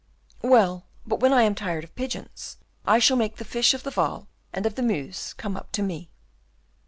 "Well, but when I am tired of pigeons, I shall make the fish of the Waal and of the Meuse come up to me."